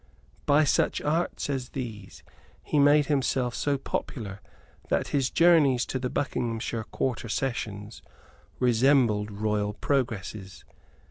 By such arts as these he made himself so popular that his journeys to the Buckinghamshire Quarter Sessions resembled royal progresses.